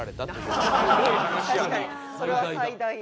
それは最大やん。